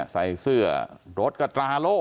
ใส่เสื้อรถกับตราร่โว้